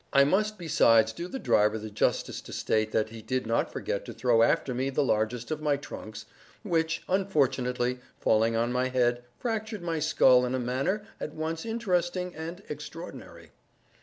I must besides do the driver the justice to state that he did not forget to throw after me the largest of my trunks, which, unfortunately falling on my head, fractured my skull in a manner at once interesting and extraordinary.